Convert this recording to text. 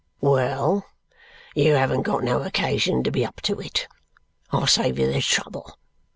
Well! You haven't got no occasion to be up to it. I'll save you the trouble.